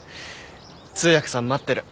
通訳さん待ってる。